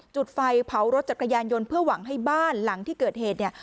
จุดไฟเผารถจักรยานยนต์เพื่อหวังให้บ้านหลังที่เกิดเหตุเนี่ย